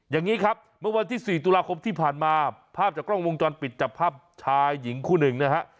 อย่างนี้ครับเมื่อวันที่๔ตุลาคมที่ผ่านมาภาพจากกล้องวงจรปิดจับภาพชายหญิงคู่หนึ่งนะฮะ